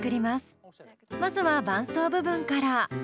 まずは伴奏部分から。